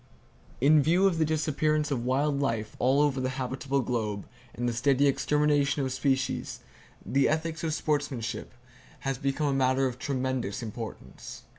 In view of the disappearance of wild life all over the habitable globe, and the steady extermination of species, the ethics of sportsmanship has become a matter of tremendous importance.